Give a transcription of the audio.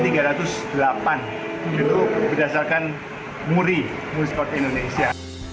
itu berdasarkan muri muri sport indonesia